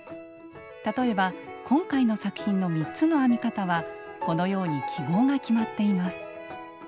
例えば今回の作品の３つの編み方はこのように記号が決まっています。